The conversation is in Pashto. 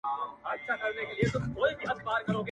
په همدومره تلوسه